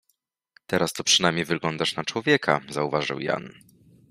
— Teraz to przynajmniej wyglądasz na człowieka — zauważył Jan.